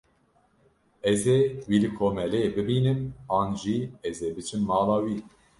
Ez ê wî li komeleyê bibînim an jî ez ê biçim mala wî.